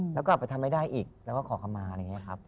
แล้วก็กลับไปทำไม่ได้อีกแล้วก็ขอเข้ามาอย่างนี้ครับ